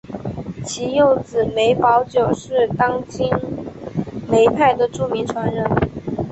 其幼子梅葆玖是当今梅派的著名传人。